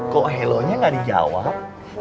kok halo nya gak dijawab